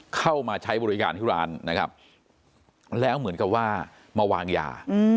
เข้ามาใช้บริการที่ร้านนะครับแล้วเหมือนกับว่ามาวางยา